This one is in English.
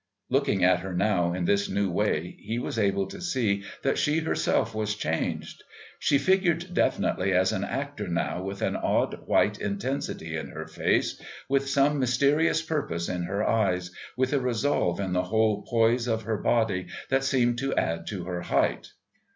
Looking at her now in this new way, he was also able to see that she herself was changed. She figured definitely as an actor now with an odd white intensity in her face, with some mysterious purpose in her eyes, with a resolve in the whole poise of her body that seemed to add to her height.